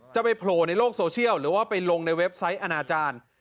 ไปโผล่ในโลกโซเชียลหรือว่าไปลงในเว็บไซต์อนาจารย์